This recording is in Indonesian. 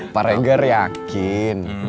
pak regar yakin